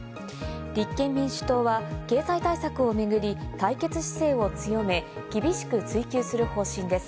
立憲民主党は経済対策を巡り、対決姿勢を強め、厳しく追及する方針です。